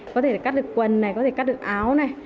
có thể là cắt được quần này có thể cắt được áo này